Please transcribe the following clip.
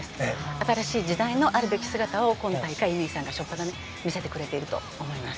新しい時代のあるべき姿を今大会乾さんが見せてくれていると思います。